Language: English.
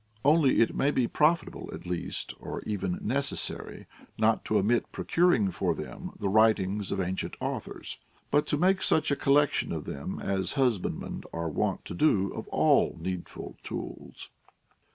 Only it may be profitable at least, or even necessary, not to omit procuring for them the writings of ancient authors, but to make such a collection of them as husbandmen are wont to do of all needful tools.